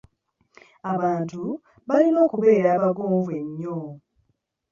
Abantu balina okubeera abagonvu ennyo.